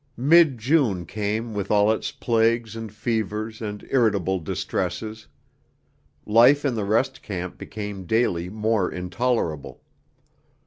V Mid June came with all its plagues and fevers and irritable distresses. Life in the rest camp became daily more intolerable.